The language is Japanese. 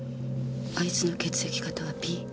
あいつの血液型はＢ。